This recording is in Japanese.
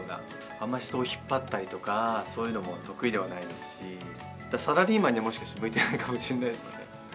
あんまり人を引っ張ったりとか、そういうのも得意ではないですし、サラリーマンにもしかして向いてないかもしれないですよね。